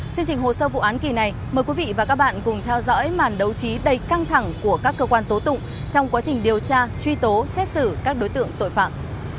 chương trình hồ sơ vụ án kỳ này mời quý vị và các bạn cùng theo dõi màn đấu trí đầy căng thẳng của các cơ quan tố tụng trong quá trình điều tra truy tố xét xử các đối tượng tội phạm